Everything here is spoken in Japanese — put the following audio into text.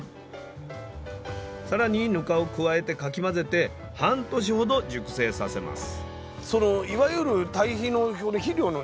更に「ぬか」を加えてかき混ぜて半年ほど熟成させます。